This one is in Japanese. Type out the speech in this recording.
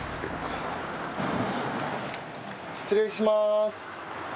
失礼します。